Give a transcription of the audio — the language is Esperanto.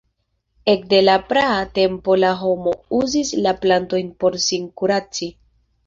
Ekde la praa tempo la homo uzis la plantojn por sin kuraci.